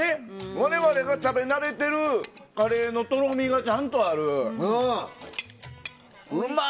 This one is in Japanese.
我々が食べ慣れているカレーのとろみがちゃんとある。